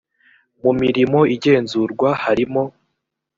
mu mirimo igenzurwa harimo